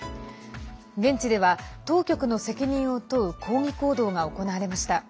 現地では当局の責任を問う抗議行動が行われました。